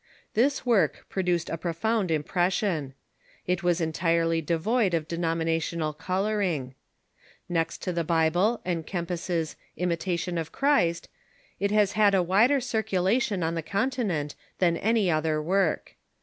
This work produced a profound im pression. It was entirely devoid of denominational coloring. Next to the Bible and Kempis's " Imitation of Christ," it has had a wider circulation on the Continent than an}^ other work.